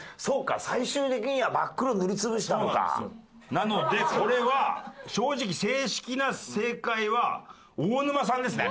なのでこれは正直正式な正解は大沼さんですね。